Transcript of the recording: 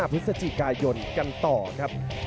พฤศจิกายนกันต่อครับ